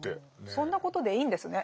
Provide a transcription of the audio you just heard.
そんなことでいいんですね